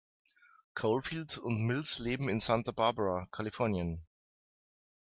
Caulfield und Mills leben in Santa Barbara, Kalifornien.